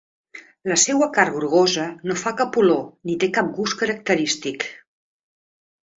La seua carn grogosa no fa cap olor ni té cap gust característic.